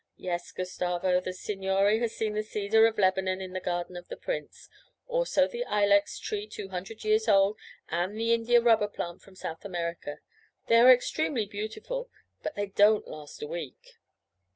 'Yes, Gustavo, the signore has seen the cedar of Lebanon in the garden of the prince, also the ilex tree two hundred years old and the india rubber plant from South America. They are extremely beautiful, but they don't last a week.'